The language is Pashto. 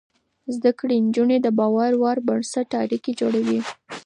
زده کړې نجونې د باور پر بنسټ اړيکې جوړوي.